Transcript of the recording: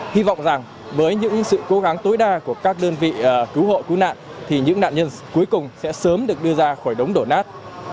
hy vọng rằng với những sự cố gắng tối đa của các đơn vị cứu hộ cứu nạn thì những nạn nhân cuối cùng sẽ sớm được đưa ra khỏi đống đổ nát